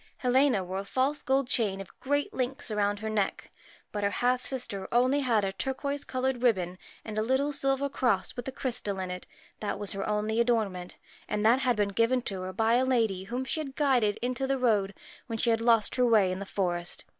Helena wore a false gold chain of great links round her neck, but her half sister had only a turquoise coloured ribbon and a little silver cross with a crystal in it that was her only ornament and that had been given her by a lady whom she had guided into the road, when she had lost her way in the forest.